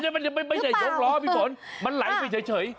ไม่ใช่ยกล้อมันหลายไปเฉย